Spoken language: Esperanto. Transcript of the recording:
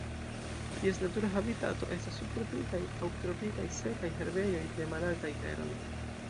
Ties natura habitato estas subtropikaj aŭ tropikaj sekaj herbejoj de malaltaj teroj.